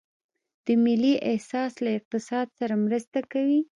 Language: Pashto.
د ملي احساس له اقتصاد سره مرسته کوي؟